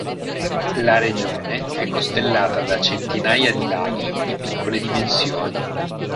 La regione è costellata da centinaia di laghi di piccole dimensioni.